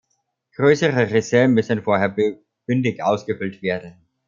Größere Risse müssen vorher bündig ausgefüllt werden.